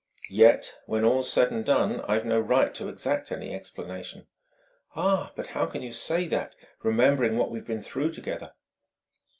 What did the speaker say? "Yet when all's said and done I've no right to exact any explanation." "Ah, but how can you say that, remembering what we've been through together?"